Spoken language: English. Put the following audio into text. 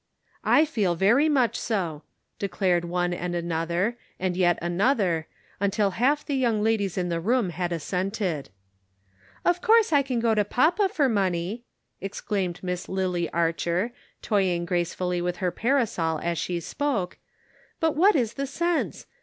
"I feel very much so," declared one and another, and yet another, until half the young ladies in the room had assented. "Of course I can go to papa for money," explained Miss Lily Archer, toying gracefully with her parasol as she spoke ;" but what is the sense?